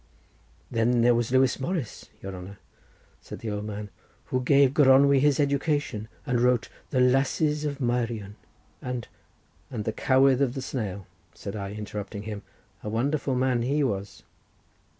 "Then there was Lewis Morris, your honour," said the old man, "who gave Gronwy his education and wrote 'The Lasses of Meirion'—and—" "And 'The Cowydd to the Snail,'" said I, interrupting him—"a wonderful man he was."